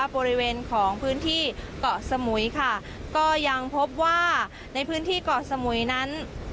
บริเวณของพื้นที่เกาะสมุยค่ะก็ยังพบว่าในพื้นที่เกาะสมุยนั้น